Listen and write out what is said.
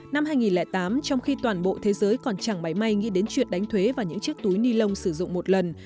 năm hai nghìn tám trong khi toàn bộ thế giới còn chẳng máy may nghĩ đến chuyện đánh thuế và những chiếc túi ni lông sử dụng một lần